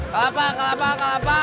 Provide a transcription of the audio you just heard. kelapa kelapa kelapa